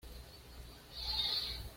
Ella es descubierta y llevada cautiva.